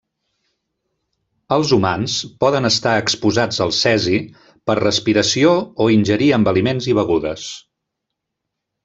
Els humans poden estar exposats al cesi per respiració o ingerir amb aliments i begudes.